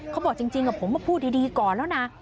เขาบอกจริงผมมาพูดดีก่อนแล้วนะ